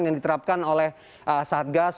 yang diterapkan oleh saat gas